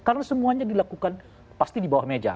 karena semuanya dilakukan pasti di bawah meja